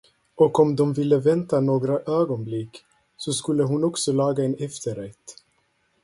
Och om de ville vänta några ögonblick, så skulle hon också laga en efterrätt.